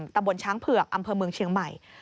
ตำบลช้างเผือกอำเภอเมืองเชียงใหม่